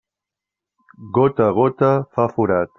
Gota a gota fa forat.